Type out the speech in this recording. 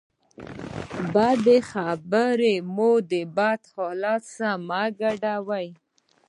بدې خبرې مو د بد حالت سره مه ګډوئ.